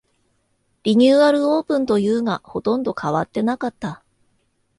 リニューアルオープンというが、ほとんど変わってなかった